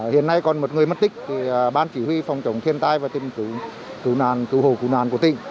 hiện nay còn một người mất tích ban chỉ huy phòng trọng thiên tai và tìm cứu hộ cứu nạn của tỉnh